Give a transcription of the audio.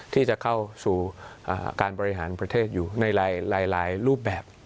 ที่จะเข้าสู่การบริหารประเทศอยู่ในหลายรูปแบบ